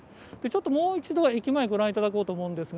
もう一度、駅前ご覧いただきこうと思います。